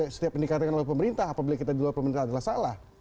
setiap yang dikatakan oleh pemerintah apabila kita di luar pemerintah adalah salah